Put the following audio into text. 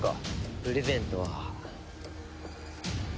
プレゼントは。